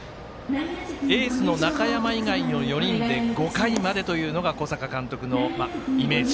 エースの中山以外の４人で５回までというのが小坂監督のイメージ。